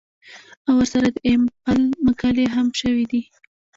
او ورسره د ايم فل مقالې هم شوې دي